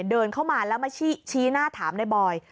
เดินเข้ามาแล้วมาชี้หน้าถามในบอย